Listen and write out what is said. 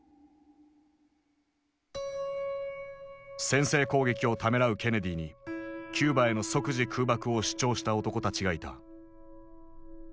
先制攻撃をためらうケネディにキューバへの即時空爆を主張した男たちがいた。